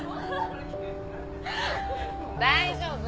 大丈夫。